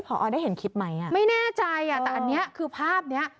พออได้เห็นคลิปไหมไม่แน่ใจแต่อันนี้คือภาพนี้